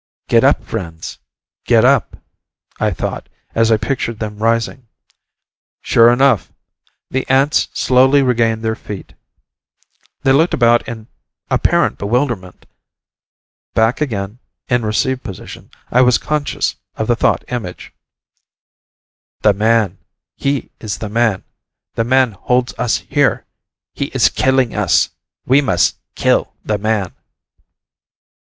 "Get up, friends ... get up," I thought, as I pictured them rising. Sure enough ... the ants slowly regained their feet. They looked about in apparent bewilderment. Back again, in "receive" position, I was conscious of the thought image, "The man ... he is the man. The man holds us here. He is killing us. We must kill the man."